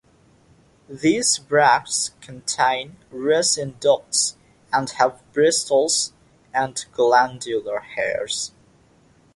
These bracts contain resin ducts and have bristles and glandular hairs.